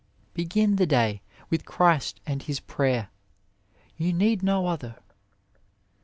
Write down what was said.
Begin the day with Christ and His prayer you need no other.